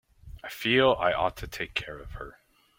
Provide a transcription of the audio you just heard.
I feel I ought to take care of her.